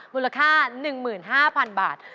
มูลค่า๑๕๐๐๐บาท